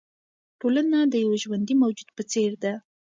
ټولنه د یوه ژوندي موجود په څېر ده.